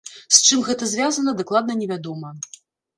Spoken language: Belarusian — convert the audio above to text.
З чым гэта звязана, дакладна невядома.